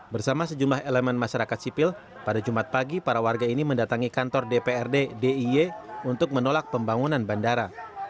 bersama sejumlah elemen masyarakat sipil pada jumat pagi para warga ini mendatangi kantor dprd d i y untuk menolak pembangunan bandara